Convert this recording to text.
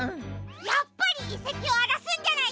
やっぱりいせきをあらすんじゃないか！